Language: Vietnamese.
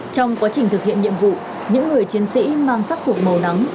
trong quá trình thực hiện nhiệm vụ những người chiến sĩ mang sắc phục màu nắng